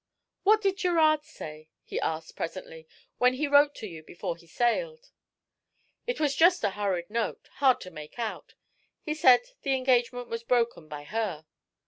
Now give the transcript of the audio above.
"What did Gerard say," he asked presently, "when he wrote to you before he sailed?" "It was just a hurried note, hard to make out. He said the engagement was broken by her."